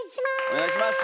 お願いします。